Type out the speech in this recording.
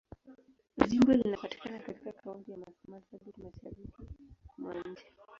Jimbo linapatikana katika Kaunti ya Marsabit, Mashariki mwa nchi.